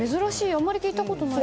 あまり聞いたことない。